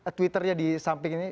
saksikan twitter nya di samping ini